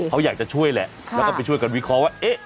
เขาอยากจะช่วยแหละแล้วก็ไปช่วยกันวิเคราะห์ว่าเอ๊ะ